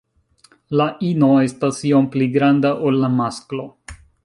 La ino estas iom pli granda ol la masklo.